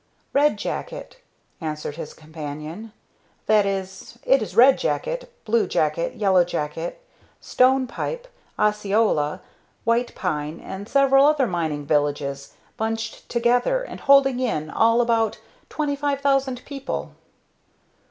"Red Jacket," answered his companion. "That is, it is Red Jacket, Blue Jacket, Yellow Jacket, Stone Pipe, Osceola, White Pine, and several other mining villages bunched together and holding in all about twenty five thousand people."